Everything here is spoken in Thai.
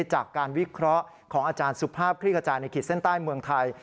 จากการวิเคราะห์ของอาจารย์สุภาพคลิกกระจายในขีดเส้นใต้เมืองไทย